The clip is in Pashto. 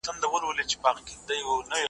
زه اوس د کتابتون د کار مرسته کوم!